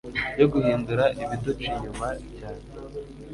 yo guhindura ibiduca inyuma cyane